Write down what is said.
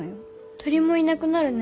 鳥もいなくなるね。